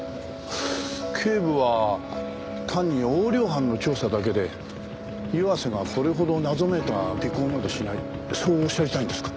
警部は単に横領犯の調査だけで岩瀬がこれほど謎めいた尾行までしないそうおっしゃりたいんですか？